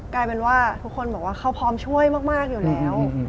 กลายเป็นว่าทุกคนบอกว่าเขาพร้อมช่วยมากอยู่แล้ว